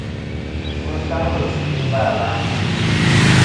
Mi sangli si yeyn va layn.